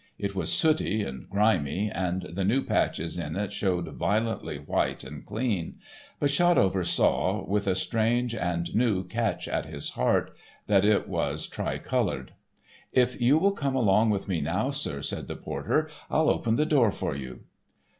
It was sooty and grimy, and the new patches in it showed violently white and clean. But Shotover saw, with a strange and new catch at the heart, that it was tri coloured. "If you will come along with me now, sir," said the porter, "I'll open the door for you."